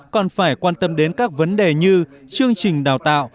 còn phải quan tâm đến các vấn đề như chương trình đào tạo